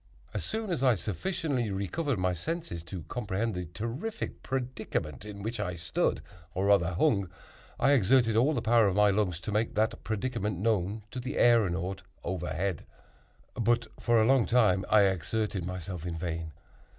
As soon as I sufficiently recovered my senses to comprehend the terrific predicament in which I stood or rather hung, I exerted all the power of my lungs to make that predicament known to the æronaut overhead. But for a long time I exerted myself in vain.